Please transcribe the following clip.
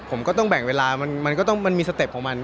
ผมก็ต้องแบ่งเวลามันมีสเต็ปของมัน